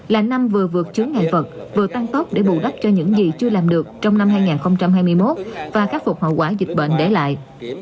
là năm vừa vượt chứa ngại vật vừa tăng tốc để bù đắp cho những gì chưa làm được trong năm hai nghìn hai mươi một và khắc phục hậu quả dịch bệnh để lại